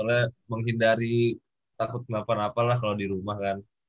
soalnya menghindari takut melakukan apa lah kalau di rumah kan